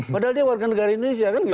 padahal dia warga negara indonesia kan gitu